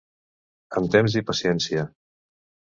Amb temps i paciència.